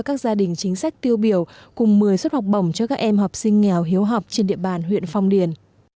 hành chính sách tiêu biểu cùng một mươi xuất học bổng cho các em học sinh nghèo hiếu học trên địa bàn huyện phong điền